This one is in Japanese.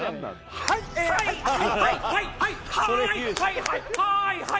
はいはいはいはい！